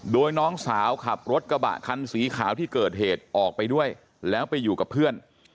โดยน้องสาวขับรถกระบะคันสีขาวที่เกิดเหตุออกไปด้วยแล้วไปอยู่กับเพื่อน